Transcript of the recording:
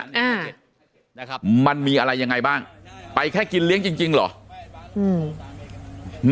อ่านะครับมันมีอะไรยังไงบ้างไปแค่กินเลี้ยงจริงจริงเหรออืม